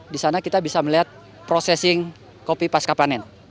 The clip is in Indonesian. di sana kita bisa melihat prosesing kopi pasca panen